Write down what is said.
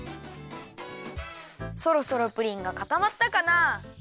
そろそろプリンがかたまったかな。